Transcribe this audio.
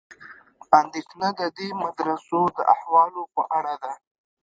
اندېښنه د دې مدرسو د احوالو په اړه ده.